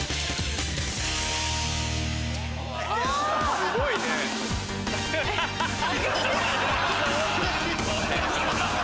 すごいね。ハハハ！ハハハ！